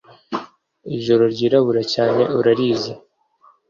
ijoro ryirabura cyane urarizi